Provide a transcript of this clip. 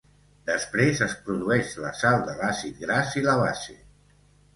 Després, es produeix la sal de l'àcid gras i la base.